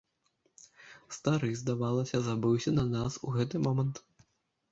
Стары, здавалася, забыўся на нас у гэты момант.